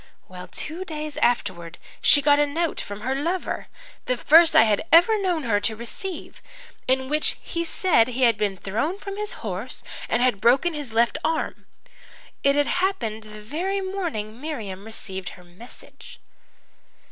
"Well, two days afterwards she got a note from her lover the first I had ever known her to receive in which he said he had been thrown from his horse and had broken his left arm. It had happened the very morning Miriam received her message.